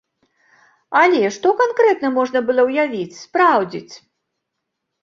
Але што канкрэтна можна было ўявіць, спраўдзіць?